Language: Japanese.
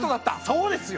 そうですよ。